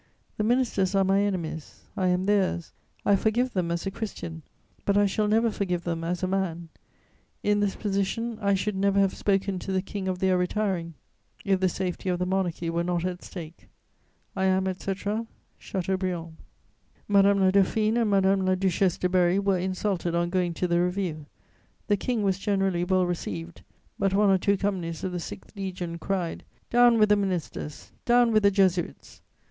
The ministers are my enemies; I am theirs; I forgive them as a Christian; but I shall never forgive them as a man; in this position, I should never have spoken to the King of their retiring, if the safety of the Monarchy were not at stake. "I am, etc., "CHATEAUBRIAND." Madame la Dauphine and Madame la Duchesse de Berry were insulted on going to the review; the King was generally well received; but one or two companies of the 6th Legion cried: "Down with the ministers! Down with the Jesuits!"